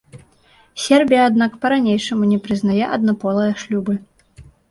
Сербія, аднак, па-ранейшаму не прызнае аднаполыя шлюбы.